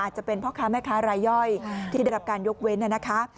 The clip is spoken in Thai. จะเป็นพ่อค้าแม่ค้ารายย่อยที่ได้รับการยกเว้นนะคะ